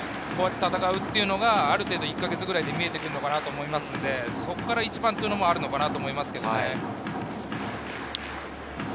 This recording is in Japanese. こうやって戦うというのが、ある程度１か月くらいで見えてくるのかなと思いますので、そこから１番というのもあるかなと思います。